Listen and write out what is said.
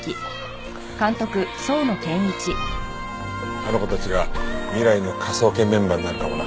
あの子たちが未来の科捜研メンバーになるかもな。